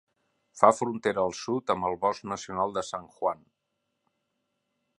Fa frontera al sud amb bosc nacional de San Juan.